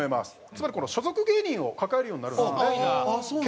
つまり所属芸人を抱えるようになるわけですね。